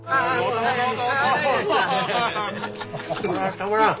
たまらん！